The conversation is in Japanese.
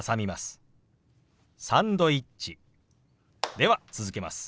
では続けます。